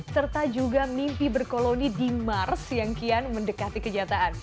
serta juga mimpi berkoloni di mars yang kian mendekati kejataan